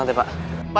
terima kasih banget pak